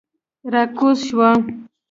را کوز شوو.